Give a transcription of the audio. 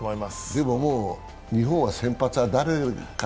でも、日本は先発は誰かな？